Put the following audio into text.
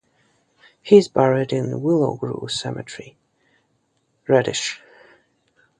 He is buried in Willow Grove Cemetery, Reddish.